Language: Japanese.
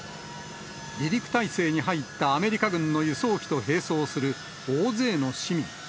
離陸態勢に入ったアメリカ軍の輸送機と並走する大勢の市民。